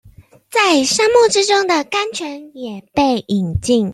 在沙漠之中的甘泉也被飲盡